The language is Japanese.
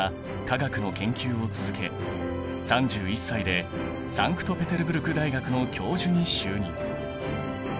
化学の研究を続け３１歳でサンクトペテルブルク大学の教授に就任。